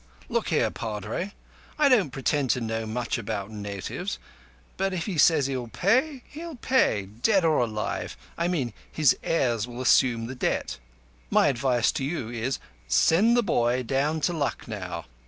Look here, Padre, I don't pretend to know much about natives, but if he says he'll pay, he'll pay—dead or alive. I mean, his heirs will assume the debt. My advice to you is, send the boy down to Lucknow.